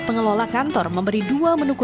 pengelola kantor menjaga kemampuan pelanggan